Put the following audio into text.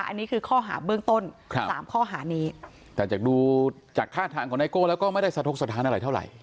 อันนี้คือข้อหาเบื้องต้นครับสามข้อหานี้แต่จากดูจากท่าทางของไนโก้แล้วก็ไม่ได้สะทกสถานอะไรเท่าไหร่